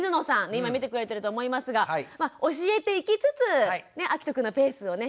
今見てくれてると思いますがまあ教えていきつつあきとくんのペースをね見守ってあげて下さい。